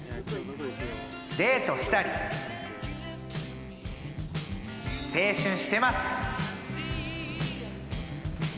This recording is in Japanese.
デートしたり青春してます！